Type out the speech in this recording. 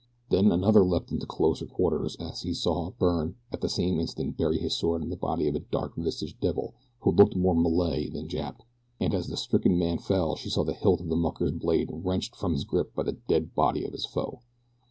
Then another leaped into closer quarters and she saw Byrne at the same instant bury his sword in the body of a dark visaged devil who looked more Malay than Jap, and as the stricken man fell she saw the hilt of the mucker's blade wrenched from his grip by the dead body of his foe.